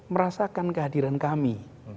merasakan kehadiran kami